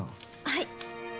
はい。